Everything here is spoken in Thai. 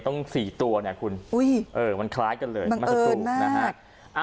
ต้องสี่ตัวเนี่ยคุณอุ้ยเออมันคล้ายกันเลยบังเอิญมากนะฮะ